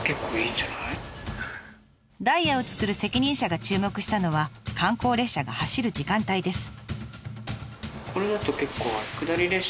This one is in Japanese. ダイヤを作る責任者が注目したのは観光列車が走る時間帯です。